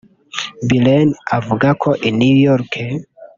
Billen avuga ko i New York